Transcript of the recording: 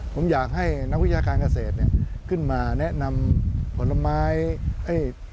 ผมอยากให้นักวิทยาการเกษตรขึ้นมาแนะนำผลไม้